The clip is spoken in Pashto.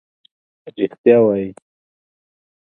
رښتیا وایې.